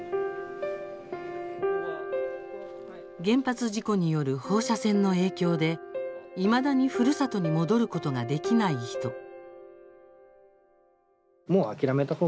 原発事故による放射線の影響でいまだに、ふるさとに戻ることができない人。